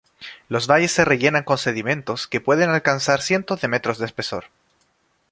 Los valles se rellenan con sedimentos que pueden alcanzar cientos de metros de espesor.